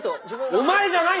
お前じゃないの。